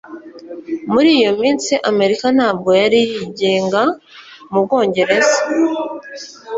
muri iyo minsi, amerika ntabwo yari yigenga mu bwongereza